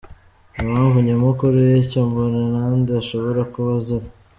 Impamvu nyamukuru y’icyo Mbanenande ashobora kuba azira